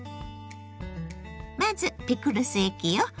まずピクルス液よ。